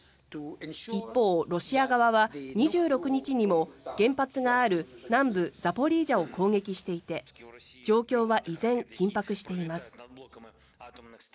一方、ロシア側は２６日にも原発がある南部ザポリージャを攻撃していて状況は依然、緊迫しています。